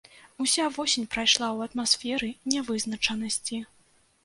Уся восень прайшла ў атмасферы нявызначанасці.